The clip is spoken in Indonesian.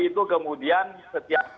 setiap perusahaan yang diberikan hutang budi